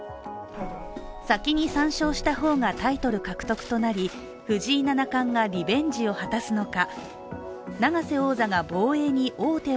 先に３勝した方がタイトル獲得となり藤井七冠がリベンジを果たすのか。